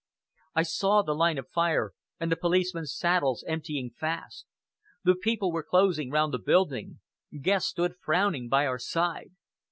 I saw the line of fire and the policemen's saddles emptying fast. The people were closing round the building. Guest stood frowning by our side.